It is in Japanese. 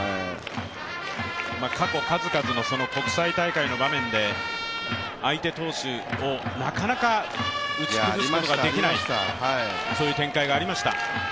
過去、数々の国際大会の場面で相手投手をなかなか打ち崩すことができないそういう展開がありました。